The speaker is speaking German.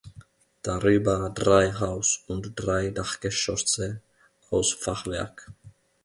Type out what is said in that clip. Darüber drei Haus- und drei Dachgeschosse aus Fachwerk.